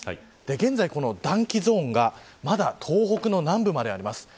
現在、この暖気ゾーンがまだ東北の南部まであります。